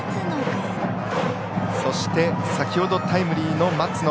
そして先ほどタイムリーの松野。